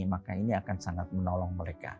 maka ini akan sangat menolong mereka